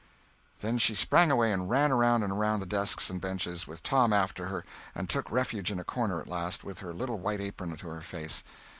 Then she sprang away and ran around and around the desks and benches, with Tom after her, and took refuge in a corner at last, with her little white apron to her face.